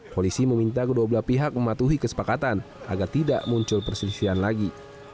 polisi meminta kedua belah pihak mematuhi kesepakatan agar tidak muncul perselisihan lagi